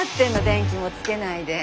電気もつけないで。